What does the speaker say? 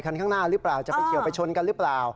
ข้างหน้าหรือเปล่าจะไปเฉียวไปชนกันหรือเปล่า